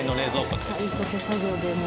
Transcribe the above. ちゃんと手作業でもう。